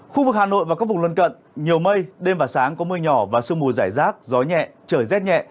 khu vực hà nội và các vùng lân cận nhiều mây đêm và sáng có mưa nhỏ và sương mù giải rác gió nhẹ trời rét nhẹ